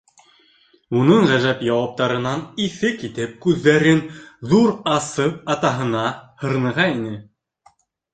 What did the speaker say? Уның ғәжәп яуаптарынан иҫе китеп, күҙҙәрен ҙур асып, атаһына һырныға ине.